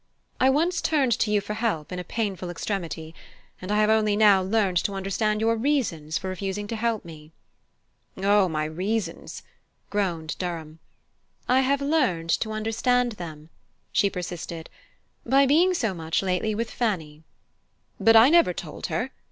I once turned to you for help in a painful extremity, and I have only now learned to understand your reasons for refusing to help me." "Oh, my reasons " groaned Durham. "I have learned to understand them," she persisted, "by being so much, lately, with Fanny." "But I never told her!"